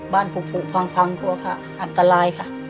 บ้านผูกพังตัวค่ะอันตรายค่ะ